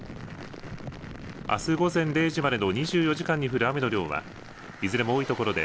あす午前０時までの２４時間に降る雨の量はいずれも多いところで